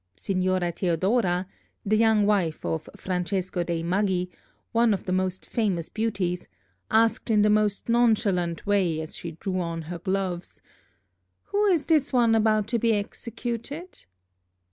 Signora Theodora, the young wife of Francesco dei Maggi, one of the most famous beauties, asked in the most nonchalant way as she drew on her gloves, "Who is this one about to be executed?"